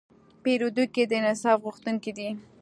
پیرودونکی د انصاف غوښتونکی دی.